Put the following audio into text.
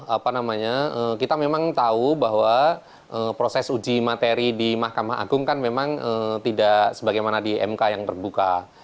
apa namanya kita memang tahu bahwa proses uji materi di mahkamah agung kan memang tidak sebagaimana di mk yang terbuka